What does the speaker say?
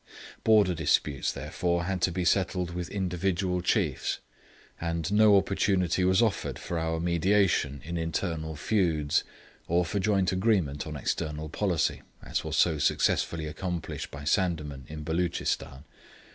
Border disputes therefore had to be settled with individual chiefs; and no opportunity was offered for our mediation in internal feuds, or for joint agreement on external policy, as was so successfully accomplished by Sandeman in Beloochistan.